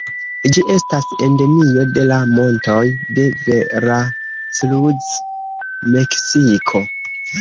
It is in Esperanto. Ĝi estas endemio de la montoj de Veracruz, Meksiko.